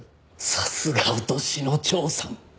さすが落としの長さん！